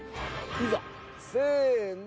いざせの。